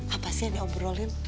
apa sih yang diobrolin